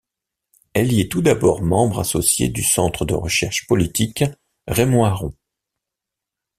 Elle y est tout d'abord membre associée du Centre de recherches politiques Raymond Aron.